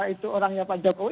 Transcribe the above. itu orangnya pak jokowi